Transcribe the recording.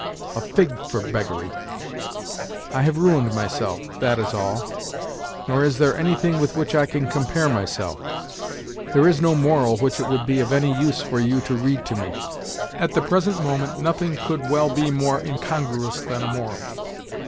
A fig for beggary! I have ruined myself—that is all. Nor is there anything with which I can compare myself; there is no moral which it would be of any use for you to read to me. At the present moment nothing could well be more incongruous than a moral.